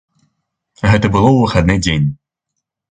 Гэта было ў выхадны дзень.